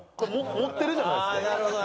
持ってるじゃないですか。